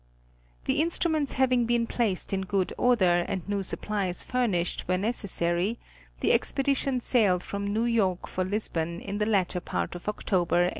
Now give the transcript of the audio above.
The instruments hav ing been placed in good order, and new supplies furnished where necessary, the expedition sailed from New York for Lisbon in the latter part of October, 1877.